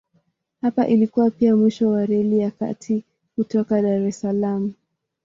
Hapa ilikuwa pia mwisho wa Reli ya Kati kutoka Dar es Salaam.